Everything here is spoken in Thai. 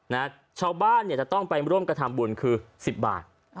นะชาวบ้านเนี่ยจะต้องไปร่วมกันทำบุญคือสิบบาท